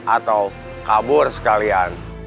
atau kabur sekalian